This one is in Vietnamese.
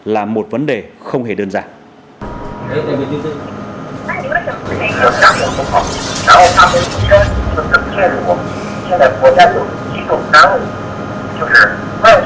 làm thế nào để xác minh trong hàng trăm hàng ngàn các cuộc gọi qua internet